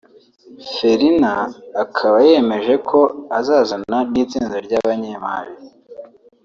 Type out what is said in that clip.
fellner akaba yemeje ko azazana n’itsinda ry’abanyemari